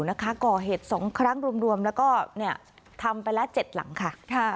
นะคะก่อเหตุ๒ครั้งรวมแล้วก็ทำไปละ๗หลังค่ะ